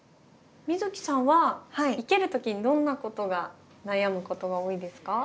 美月さんは生ける時にどんなことが悩むことが多いですか？